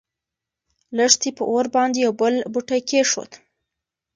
لښتې په اور باندې يو بل بوټی کېښود.